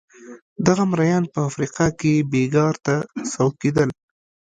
دغه مریان په افریقا کې بېګار ته سوق کېدل.